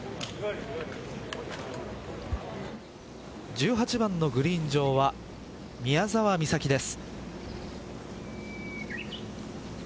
１８番のグリーン上は宮澤美咲です。